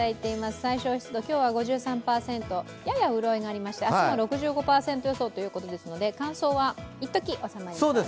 最小湿度今日は５３％、やや潤いがありまして明日も６５％予想ということですので、乾燥はいっとき収まりそうです。